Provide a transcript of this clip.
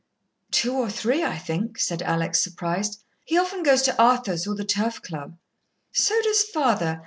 "Two or three, I think," said Alex, surprised. "He often goes to Arthur's or the Turf Club." "So does father.